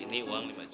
ini uang lima juta